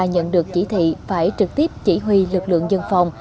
nhận được chỉ thị phải trực tiếp chỉ huy lực lượng dân phòng